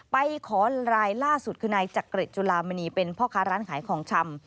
ไปขอลายล่าสุดคือนายจักริจจุลามณีเป็นพ่อค้าร้านขายของชำ